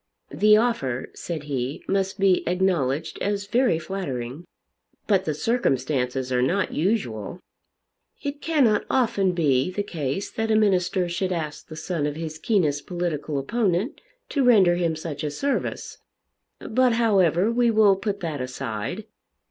"The offer," said he, "must be acknowledged as very flattering." "But the circumstances are not usual." "It cannot often be the case that a minister should ask the son of his keenest political opponent to render him such a service. But, however, we will put that aside."